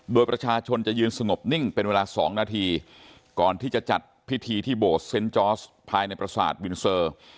โดยประชาชนจะยืนสงบนิ่งเป็นเวลา๒นาทีก่อนที่จะจัดพิธีที่โบสเซนต์จอร์สภายในประสาทวินเซอร์